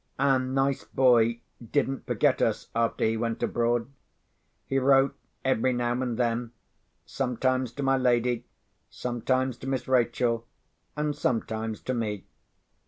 Our nice boy didn't forget us after he went abroad. He wrote every now and then; sometimes to my lady, sometimes to Miss Rachel, and sometimes to me.